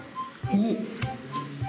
おっ！